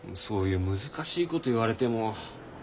そういう難しいこと言われても。